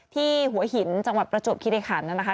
ที่หัวหินจังหวัดประจวบคิริขันนะคะ